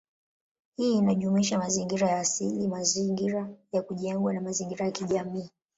Hii inajumuisha mazingira ya asili, mazingira ya kujengwa, na mazingira ya kijamii.